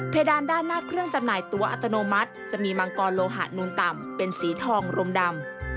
ด้านหน้าเครื่องจำหน่ายตัวอัตโนมัติจะมีมังกรโลหะนูนต่ำเป็นสีทองรมดำ